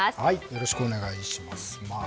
よろしくお願いします。